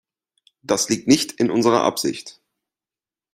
Das liegt nicht in unserer Absicht.